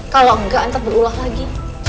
kalau enggak ntar berulang lagi